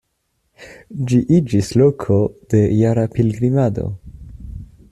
Ĝi iĝis loko de jara pilgrimado.